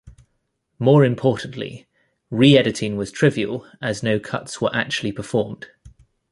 More importantly, re-editing was trivial, as no cuts were actually performed.